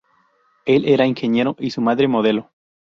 Él era ingeniero y su madre modelo.